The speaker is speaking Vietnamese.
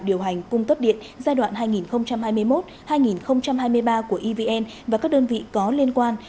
điều hành cung cấp điện giai đoạn hai nghìn hai mươi một hai nghìn hai mươi ba của evn và các đơn vị có liên quan